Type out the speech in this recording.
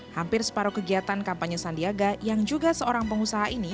hampir separuh kegiatan kampanye sandiaga yang juga seorang pengusaha ini